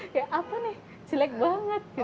ya apa nih celek banget gitu